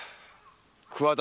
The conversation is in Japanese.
桑田